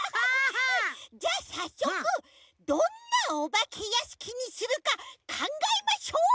じゃさっそくどんなおばけやしきにするかかんがえましょう！